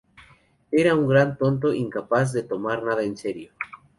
Era un gran tonto incapaz de tomar nada en serio.